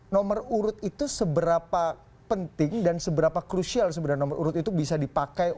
nomor urut itu seberapa penting dan seberapa krusial sebenarnya nomor urut itu bisa dipakai untuk